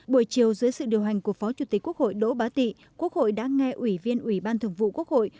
buổi chiều dưới sự điều hành của phó chủ tịch quốc hội đỗ bá tị quốc hội đã nghe ủy viên ủy ban thường vụ quốc hội